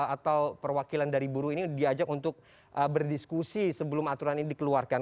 atau perwakilan dari buruh ini diajak untuk berdiskusi sebelum aturan ini dikeluarkan